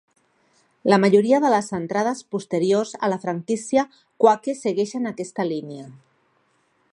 La majoria de les entrades posteriors a la franquícia "Quake" segueixen aquesta línia.